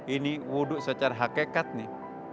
ini wudhu secara hakikat nih